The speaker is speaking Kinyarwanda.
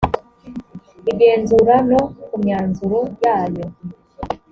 igenzura no ku myanzuro yayo